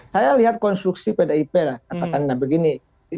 saya lihat konstruksi pdip lah katakanlah begini